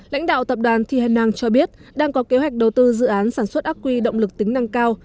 lãnh đạo tập đoàn thi hèn năng cho biết đang có kế hoạch đầu tư dự án sản xuất ác quy động lực tính năng cao